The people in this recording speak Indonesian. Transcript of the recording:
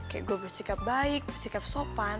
kayak gue bersikap baik bersikap sopan